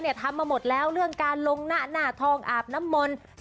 ทำมาหมดแล้วเรื่องการลงหน้าหน้าทองอาบน้ำมนต์